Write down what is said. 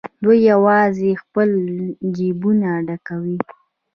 دوی یوازې خپل جېبونه ډکول.